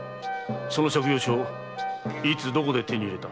その借用書いつどこで手に入れた？